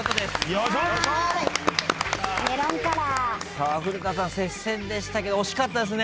さあ古田さん接戦でしたけど惜しかったですね。